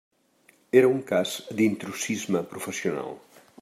Era un cas d'intrusisme professional.